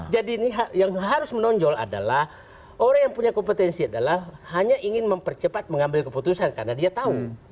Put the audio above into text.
jadi yang harus menonjol adalah orang yang punya kompetensi adalah hanya ingin mempercepat mengambil keputusan karena dia tahu